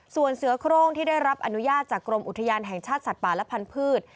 ส่วนเสือโครงที่ได้รับอนุญาตจากกรมอุทยานแห่งชาติสัตว์ป่าและพันธุ์